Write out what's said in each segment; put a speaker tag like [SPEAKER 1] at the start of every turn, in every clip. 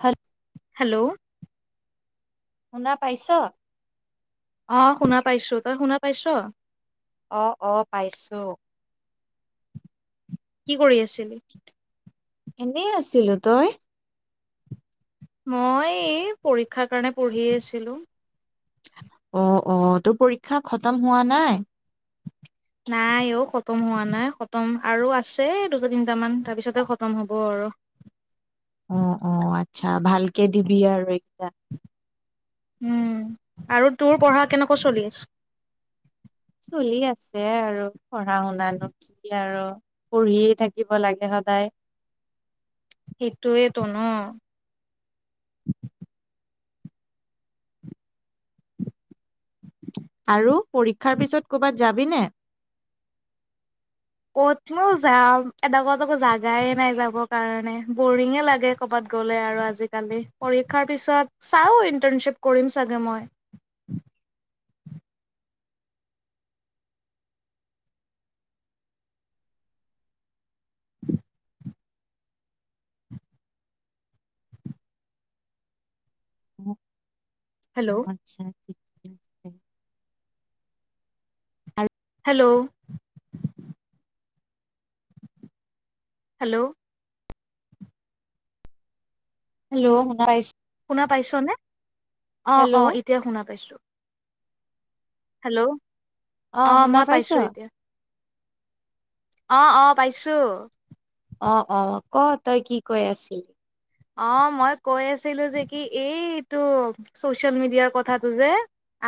[SPEAKER 1] হ
[SPEAKER 2] হেল্ল'
[SPEAKER 1] শুনা পাইছ
[SPEAKER 2] অ শুনা পাইছোঁ তই শুনা পাইছ
[SPEAKER 1] অ অ পাইছোঁ
[SPEAKER 2] কি কৰি আছিলি
[SPEAKER 1] এনে আছিলোঁ তই
[SPEAKER 2] মই এই পৰীক্ষাৰ কাৰণে পঢ়ি আছিলোঁ
[SPEAKER 1] অ অ তোৰ পৰীক্ষা খতম হোৱা নাই
[SPEAKER 2] নাই অ খতম হোৱা নাই খতম আৰু আছে দুটা তিটামান তাৰপিছতে খতম হ'ব আৰু
[SPEAKER 1] অ অ আচ্ছা ভালকে দিবি আৰু এইকেইটা
[SPEAKER 2] উম আৰু তোৰ পঢ়া কেনেকৈ চলি আছে
[SPEAKER 1] চলি আছে আৰু পঢ়া শুনাতো ঠিকেই আৰু পঢ়িয়ে থাকিব লাগে সদায়
[SPEAKER 2] সেইটোয়েইেতো ন [unintelligible]
[SPEAKER 1] আৰু পৰীক্ষাৰ পিছত কৰ'বাত যাবিনে
[SPEAKER 2] কতনো যাম এড কাত আকো জাগাই নাই যাবৰ কাৰণে বৰিঙে লাগে কৰবাত গলে আৰু আজিকালি পৰীক্ষাৰ পিছত চাও ইন্টাৰ্নশ্বিপ কৰিম চাগে মই
[SPEAKER 1] অ',
[SPEAKER 2] হেল্ল'
[SPEAKER 1] আচ্ছা উ
[SPEAKER 2] হেল্ল' হেল্ল'
[SPEAKER 1] হেল্ল'
[SPEAKER 2] শুনা পাইছ নে অ
[SPEAKER 1] হেল্ল'
[SPEAKER 2] অ এতিয় শুনা পাইছো হেল্ল' অ
[SPEAKER 1] শুনা
[SPEAKER 2] মই
[SPEAKER 1] পাইছ?
[SPEAKER 2] পাইছোঁ এতিয়া অ অ পাইছোঁ
[SPEAKER 1] অ অ ক তই কি কৈ আছিল
[SPEAKER 2] অ মই কৈ আছিলোঁ যে কি এইটো চচিয়েল মিডিয়াৰ কথাটো যে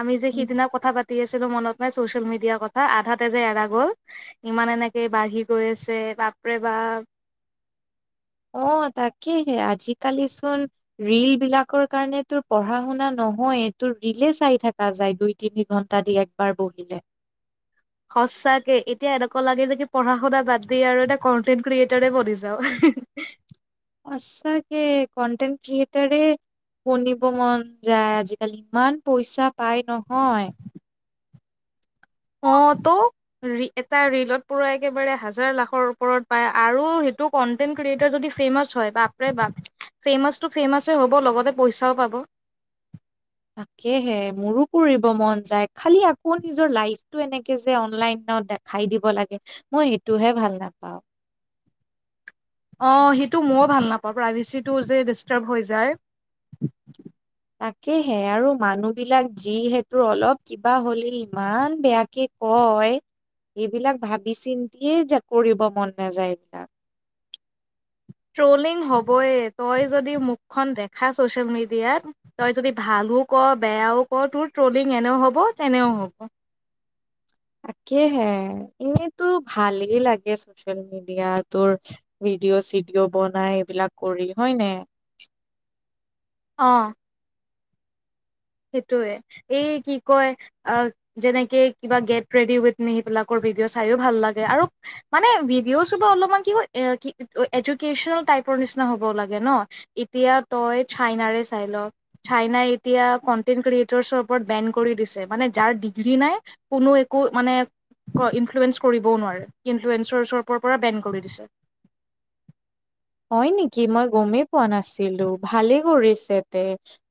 [SPEAKER 2] আমি যে সিদিনা কথা পা পাতি আছিলোঁ মনত নাই চ'চিয়েল মিডিয়াৰ কথা আধাতেজে এৰা গ'ল ইমান এনেকে বাঢ়ি গৈ আছে বাপৰে বা
[SPEAKER 1] অ তাকেহে আজিকালিচোন ৰীল বিলাকৰ কাৰণে তোৰ পঢ়া শুনা নহয় তোৰ ৰীলে চাই থকা যায় দুই তিনি ঘণ্টা দি একবাৰ বহিলে
[SPEAKER 2] সঁচাকে এতিয়া এনেকুৱা লাগে যে পঢ়া শুনা বাদ দি আৰু এটা কন্টেনট ক্ৰিয়েটৰে বনি যাওঁ
[SPEAKER 1] সঁচাকে কন্টেণ্ট ক্ৰিয়েটাৰে শূনিব মন যায় আজিকালি ইমান পইচা পায় নহয়
[SPEAKER 2] অঁ তো এটা ৰীলত পূৰা একেবাৰে হাজাৰ লাখৰ ওপৰত পায় আৰু সেইটো কন্টেণ্ট ক্ৰিয়েটাৰ যদি ফেমাছ হয় বাপ বা ফেমাচটো ফেমাছে হ'ব লগতে পইচাও পাব
[SPEAKER 1] তাকেহে মোৰো কৰিব মন যায় খালি আকৌ নিজৰ লাইফটো এনেকে যে অনলাইনত দেখাই দিব লাগে মই সেইটোহে ভাল নাপাওঁ
[SPEAKER 2] অ সেইটো ময়ো ভাল নাপাওঁ প্ৰাইভেচিটো যে ডিষ্টাৰ্ব হৈ যায়
[SPEAKER 1] তাকেহে আৰু মানুহ বিলাক যিহেতু অলপ কিবা হল ইমান বেয়াকে কয় সেইবিলাক ভাবি চিন্তিয়ে কৰিব মন নাযায় এইবিলাক
[SPEAKER 2] ট্ৰলিং হ'বয়ে তই যদি মুখখন দেখা ছ'চিয়েল মিডিয়াত তই যদি ভালো ক বেয়াও ক তোৰ ট্ৰলিং এনেও হ'ব তেনেও হ'ব
[SPEAKER 1] সেহে এনেতো ভালেই লাগে চচিয়েল মিডিয়া তোৰ ভিডিঅ' চিডিঅ বনাই এইবিলাক কৰি হয়নে
[SPEAKER 2] অ সেইটোৱে এই কি কয় যেনেকে কিবা গেট ৰেডি উইথমি সেইবিলাকৰ ভিডিঅ' চাইও ভাল লাগে আৰু মানে ভিডিঅ' চ বা অলপমান কি ক এডুকেচনেল টাইপৰ নিচিনা হব লাগে ন এতিয়া তই চাইনাৰে চাই ল চাইনাই এতিয়া কনটেইন ক্ৰিয়েচনৰ বেন কৰি মানে যাৰ ডিগ্ৰী নাই কোনো একো মানে কৰিবও নোৱাৰে ইনফোৰেঞ্চৰৰ পৰা বেন কৰি দিছে
[SPEAKER 1] হয় নেকি মই গমেই প নাছিলো ভালেই কৰিছে তে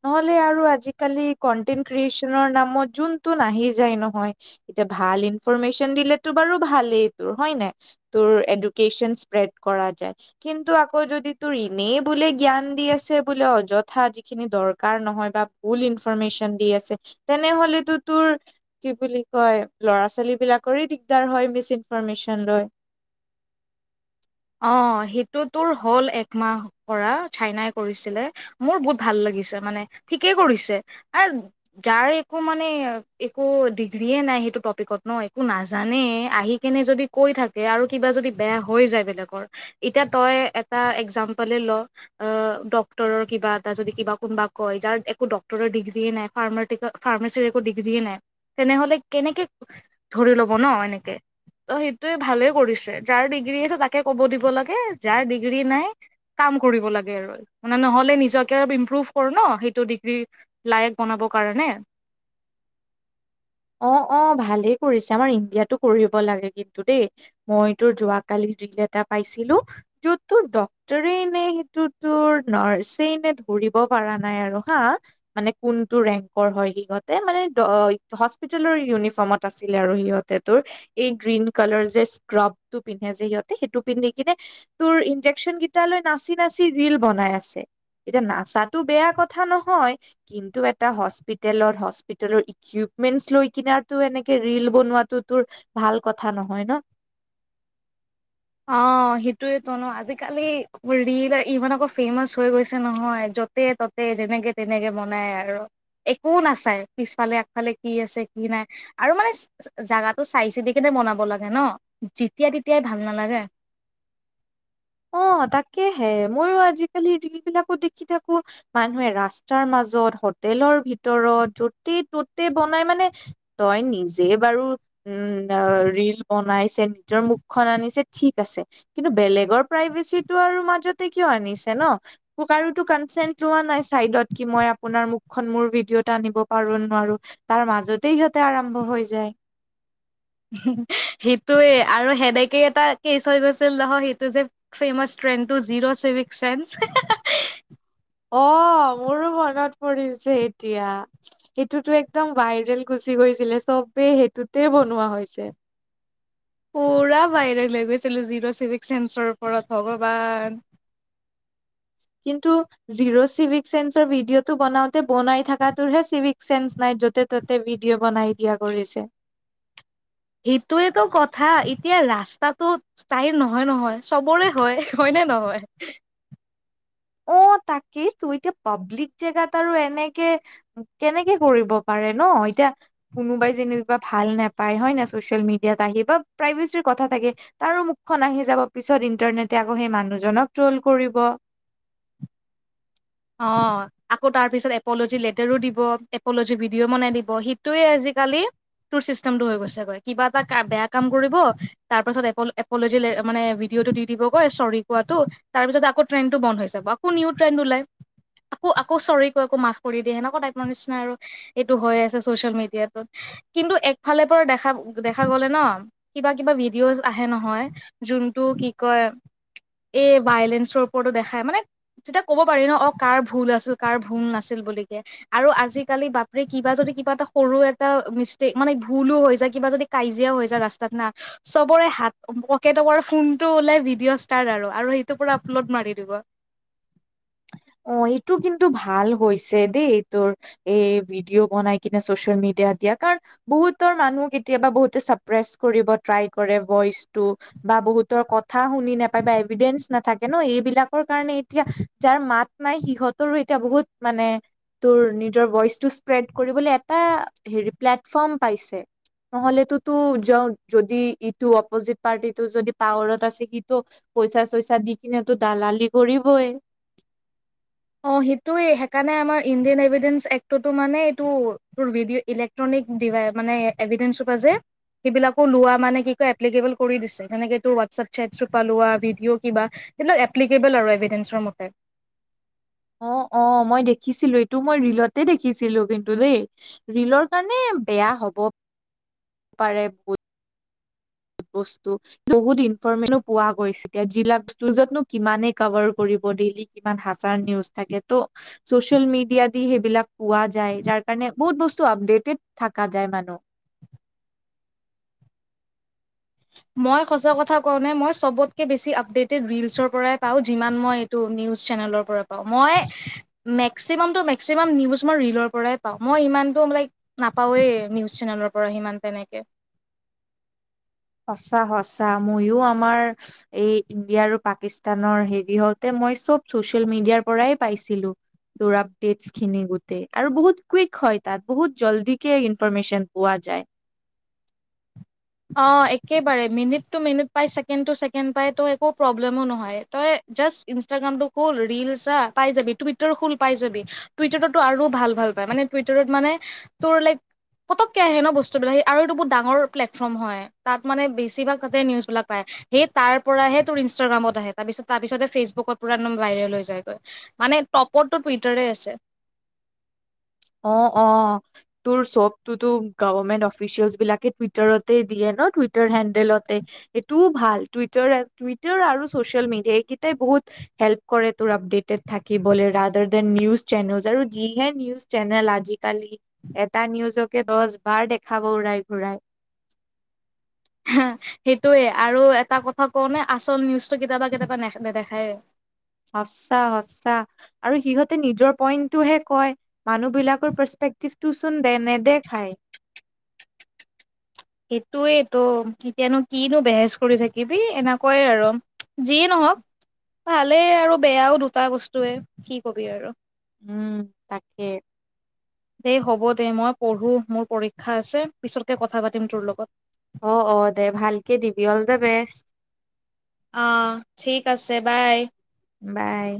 [SPEAKER 1] নহলে আৰু আজিকালি কনটেনট ক্ৰিয়েচনৰ নামত যোনটোনে আহি যায় নহয় এতিয়া ভাল ইনফৰেশচন দিলো বাৰু ভালেই তোৰ হয় ন তোৰ এডন স্প্ৰড কৰা য আকৌ যদি তোৰ এনেই বোলে জ্ঞান দি আছে বোলে অযথা যিখিনি দৰকাৰ নহয় বা ভুল ইনফৰৰ্মেশ্যন দি আছে তেনেহলেতো তোৰ কি বুলি কয় ল'ৰা ছোৱালী বিলাকৰে দিগদাৰ হয় মিছ ইনফৰৰ্মেশ্যন লৈ
[SPEAKER 2] অ সেইটো তোৰ হ'ল একমাহৰ পৰা চাইনাই কৰিছিলে মোৰ বহুত ভাল লাগিছে মানে ঠিকেই কৰিছে আৰু যাৰ একো মানে একো ডিগ্ৰীয়ে নাই সেইটো টপিকত ন একো নাজানেই আহি কেনে যদি কৈ থাকে আৰু কিবা যদি বেয়া হৈ যায় বেলেগত এতিয়া তই এটা একজাম্পলে ল ডক্টৰৰ কিবা এটা য কিবা কোনোবা কয় যাৰ একো ডৰৰ ডিগ্ৰী নাই ফাৰ্মাচী ডিগ্ৰীয়ে নাই তেনেহলে কেনেকে লব ন এনেকে ত সেইটোয়ে ভালে কৰিছে যাৰ ডিগ কে ক'ব দিব লাগে যাৰ ডিগ্ৰী নাই কাম কৰিব লাগে আৰু মানে নহলে নিজকে আৰু ইমপ্ৰুভ কৰো ন সেইটো ডিগ্ৰী লাইক বনাব কাৰণে
[SPEAKER 1] অ অ ভালেই কৰিছে আমাৰ ইণ্ডিয়াতো কৰিব লাগে কিন্তু দেই মই তোৰ যোৱাকালি দিল এটা পাইছিলো যত তোৰ ডটৰে নে সেইটো তোৰ নাৰছেই নে ধৰিব পৰা নাই আৰু হা মানে কোনটো ৰেংকৰ হয় সিহঁতে মানে হস্পিিতলৰ ইউনিফৰ্মত আছিলে আৰু সিহঁতে তোৰ এই গ্ৰীণ কালাৰ যে স্ক্ৰাব টো পিন্ধে যে সিহঁতে সেইটো পিন্ধি কিনে তোৰ ইন্জেকচন কেইটালৈ নাচি নাচি ৰীল বনাই আছে এতিয়া নাচাতো বেয়া কথা নহয় কিন্তু এটা হস্পিতেলত হস্পিতেলৰ ইক মেইন লৈ কিনাৰতো এনেকে ৰীল বনোৱাাতটো তোৰ ভাল কথা নহয় ন
[SPEAKER 2] অ সেইটোয় তো ন আজিকালি ৰিল ইমান আকৌ ফেমাচ হৈ গৈছে নহয় যতে ততে যেনেকে তেনেকে বনাই আৰু একো নাচাই পিছফালে আগফালে কি আছে কি নাই আৰু মানে জাগাটো চাই চিদি কেনে বনাব লাগে ন যেতিয়া তেতিয়াই ভাল নালাগে
[SPEAKER 1] অ তাকেহে ময়ো আজিকালি ৰিল বিলাকো দেখি থাকো মানুহে ৰাস্তাৰ মাজত হোটেলৰ ভিতৰত যতে ততে বনাই মানে তই নিজে বাৰু উম ৰিলচ বনাইছে নিজৰ মুখখন আনিছে ঠিক আছে কিন্তু বেলেগৰ প্ৰাইভেচি আৰু মাজতে কিয় আনিছে নোকো কনচেন্ লোৱা নাই চত মই আপোনাৰ মুখখন মোৰ ভিডিঅ'টা আনিব পাৰো নোৱাৰো তাৰ মাজতে সিহঁতে আৰম্ভ হৈ যায়
[SPEAKER 2] সেইটোৱে আৰু সেনেকেই এটা কেচ হৈ গৈছিল নহ সেইটো যে famous trend two zero civic sense
[SPEAKER 1] অ মোৰো মনত পৰিছে এতিয়া সেইটোতো একদম ভাইৰেল গুচি গৈছিলে চবেই সেইটোতে বনোৱা হৈছে
[SPEAKER 2] পুৰা বাইৰে ল গৈছিলো জিৰ' চিভ্স চেন্সৰ ওপৰত হগান
[SPEAKER 1] কিন্তু জিৰ' চিভিক চেন্সৰ ভিডিঅ'টো বনাওঁতে বনাই থকাটোৰহে চিভিক চেন্স নাই য'তে ত'তে ভিডিঅ' বনাই দিয়া কৰিছে
[SPEAKER 2] সেইটোৱেটো কথা এতিয়া ৰাস্তাটো তাইৰ নহয় নহয় চবৰে হয় হয়নেে নহয়
[SPEAKER 1] অ তাকেই ত এতি পাব্লিক জেগাত আৰু এনেকে কেনেকে কৰিব পাৰে ন এতিয়া কোনোবাই যেনিবা ভাল নাপায় হয় ন চচিয়েল মিডিয়াত আহি বা প্ৰাইভেচী কথা থাকে তাৰো মুখখন আহি যাব পিছত ইন্টাৰনেট আকৌ সেই মানুহ তোল কৰিব
[SPEAKER 2] অ আকৌ তাৰপিছত এপ'লজি লেটাৰো দিব এপ'লজি ভিডিঅ' বনাই দিব সেইটোৱে আজিকালি তোৰ চিষ্টেমটো হৈ গৈছেগৈ কিবা এটা বেয়া কাম কৰিব তাৰপিছত এপ'লজি মানে ভিডিঅ'টো দি দিবগৈ চৰি কোৱাটো তাৰ পিছত আকৌ ট্ৰেণ্ডটো বন্ধ হৈ যাব আকৌ নিউ ট্ৰেণ্ড ওলাই আকৌ আকৌ চৰিক আৌ মাফ কৰি দিয়ে সেনেকুৱা টাইপৰ নিচিনা আৰু এইটো হৈ আছে চচিয়েল মিডিয়াত কিন্তু একফালৰ পৰা দেখা দেখা গলে ন কিবা কিবা ভিডিঅ'জ আহে নহয় যোনটো কি কয় এই ভাইলেঞ্চৰ ওপৰতো দেখাই মানে তেতিয়া ক'ব পাৰি ন অ কাৰ ভুল আছিল কাৰ ভুল নাছিল বুলি কে আৰু আজিকালি বাপৰে কিবা যদি কিবা এটা সৰু এটা মিষ্টেক মানে ভুলো হৈ যায় কিবা যদি কাজিয়াও হৈ যায় ৰাস্তাত না চবৰে হাত পকেটকৰ ফোনটো উওলাই ভিডিঅ' ষ্টাৰ্ আৰু আৰু সেইটো পৰা আপলোড মাৰি দিব
[SPEAKER 1] অ এইটো কিন্তু ভাল হৈছে দেই তোৰ এই ভিডিঅ' বনাই কিনে চচিয়েল মিডিয়াত দিয়া কাৰণ বহুতৰ মানুহ কেতিয়াবা বহু ছাপেজ কৰিব ট্ৰাই কৰে ভইচটো বা বহুত কথা শুনি নাপায় বা এভিডেন্স নাথে ন এইবিলাক যাব কাৰণে এতিয়া যাৰ মাত নাই সিহঁতৰো এতিয়া বহুত মানে তোৰ নিজৰ ভইচটো স্প্ৰেড কৰিবলৈ এটা হেৰি প্লেটফৰ্ম পাইছে নহলেতো তো যদি ইটো অপজিত পাৰ্টিটো যদি পাৱাৰত আছে সিটো পইচা চইচা দি কিনে তো দালালি কৰিবই
[SPEAKER 2] অঁ সেইটোৱে সেইকাৰণে আমাৰ ইণ্ডিয়ান এভিডেন্ঞ্চ এক্টতো মানে এইটো তোৰ ভিডিঅ' ইলেক্ট্ৰনিক ডিভাই মানে এভিডেন্সৰোপা যে সেইবিলাকো লোৱা মানে কি কয় এপ্লিকেবল কৰি দিছে তেনেকে এইটোৰ হোৱাটছএপ চেটছৰোপা লোৱা ভিডিঅ' কিবা সেইবিলাক এপ্লিকেবল আৰু এভিডেসৰ মতে
[SPEAKER 1] অ অ মই দেখিছিলো এইটো মই ৰীলতে দেখিছিলো কিন্তু দেই ৰীলৰ কাৰণে বেয়া হব পাৰে বহুত বস্তু বহুত ইনফৰমেশচনো পোৱা গৈছেে জিলাকস্তুতনো কিমানে কভাৰ কৰিব ডেইলি কিমান হাচাৰ নিউজ থাকে ত' চচিয়েল মিডিয়া দি সেইবিলাক পোৱা যায় যাৰ কাৰণে বহুত বস্তু আপডেটেড থকা যায় মানুহ
[SPEAKER 2] মই সঁচা কথা কওঁনে মই সবতকে বেছি আপডেটেড ৰিলচৰ পৰাই পাওঁ যিমান মই নি চেনেলৰ পৰা পাওঁ মই মেক্সি‌ মেক্সিম মই ৰিলৰ পৰাই পাওঁ মই ইমানটোই নাপাওঁৱেই নিউ চেনেলৰ পৰা সিমান তেনেকে
[SPEAKER 1] সঁচা সচা মইয়ো আমাৰ এই ইণ্ডিয়া আৰু পাকিস্তানৰ হেৰি হওঁতে মই চব চচিয়েল মিডিয়াৰ পৰাই পাইছিলো তোৰ আপডেটছ খিনি গোটেই আৰু বহুত কুইক হয় তাত বহুত জল্দিকে ইনফৰমেশচন পোৱা যায়
[SPEAKER 2] অ একেবাৰে মিনিট টু মিনিট পাই ছেকেণ্ড টু চছেকেণ্ড পাই তই একো প্ৰব্লেমো নহয় তই জাষ্ট ইনষ্টাগ্ৰামটো খল ৰিলচ পাই যাবি টুইটাৰ খল পাই যাবি টুইটাৰত ত আৰু ভাল ভাল পাই মানে টুইটাৰত মানে তোৰ লাইক পটককে আহে ন বস্তুবিলাক সেই আৰুটো বহুত ডাঙৰ হয় তাত মানে বেছিতে নিউজবিলাক পায় সেই তাৰ পৰাে তোৰ ইনষ্টগ্ৰামত আহি তাৰপিছত ফেচবুক পৰা ভাইৰেল হৈ যায়গৈ মানে টপটো টুইটাৰ আছে
[SPEAKER 1] অ অ তোৰ চবতোতো গভমেন্ট অফিচিয়েলচ বিলাকে টুইটাৰতে দিয়ে ন টুইটাৰ হেণ্ডেলতে সেইটোও ভাল টুইটাৰ টুইটাৰ আৰু চচিয়েল মিডিয়া এইকেইটাই বহুত হেল্প কৰে তোৰ আপডেটেড থাকিবলৈ ৰাডাৰ দেন নিউজ চেনেল আৰু যিহে নিউজ চেনেল আজিকালি এটা নিউজকে দহ বাৰ দেখাব উৰাই ঘূৰাই
[SPEAKER 2] হ সেইটোৱে আৰু এটা কথা কওঁ ন আচল নিউজটো কেতিয়াবা কেতিয়াবা নে নেদেখায়
[SPEAKER 1] সঁচা সচা আৰু সিহঁতে নিজৰ পইণ্টটোহে কয় মানুহবিলাকৰ পাৰ্চপেক্টিভটো চোন দে নেদেখায়
[SPEAKER 2] এইটোৱেই তটো এতিয়ানো কিনো বেহেজ কৰি থাকিবি এনেকুৱাইে আৰু যিয়ে নহক ভালেই আৰু বেয়াও দুটা বস্তুৱে কি কবি আৰু
[SPEAKER 1] উম তাকে
[SPEAKER 2] দেই হ'ব দে মই পঢ়ো মোৰ পৰীক্ষা আছে পিছতকে কথা পাতিম তোৰ লগত
[SPEAKER 1] অ অ দে ভালকে দিবি অল দা বেষ্ট
[SPEAKER 2] অ ঠিক আছে বাই
[SPEAKER 1] বাই